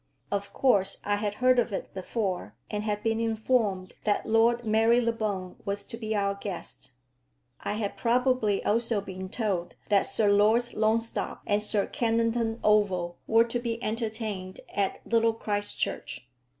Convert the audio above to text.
Of course I had heard of it before, and had been informed that Lord Marylebone was to be our guest. I had probably also been told that Sir Lords Longstop and Sir Kennington Oval were to be entertained at Little Christchurch.